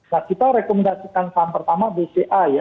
nah kita rekomendasikan saham pertama bca ya